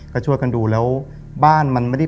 ก็ช่วยกันดูแล้วบ้านมันไม่ได้